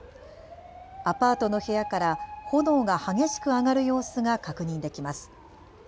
アパートの部屋から炎が激しく上がる様子が確認できます。